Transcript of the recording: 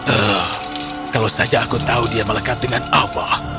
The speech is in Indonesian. oh kalau aku tahu dia melekat dengan apa